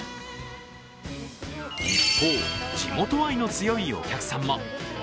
一方、地元愛の強いお客さんも。